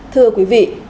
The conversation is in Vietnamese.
thưa quý vị